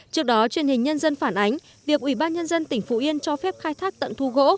trước đó truyền hình nhân dân phản ánh việc ủy ban nhân dân tỉnh phú yên cho phép khai thác tận thu gỗ